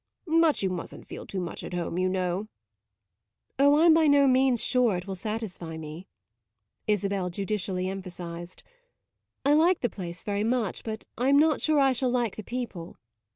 But you mustn't feel too much at home, you know." "Oh, I'm by no means sure it will satisfy me," Isabel judicially emphasised. "I like the place very much, but I'm not sure I shall like the people."